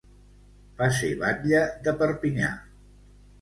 Va ser batlle de Perpinyà.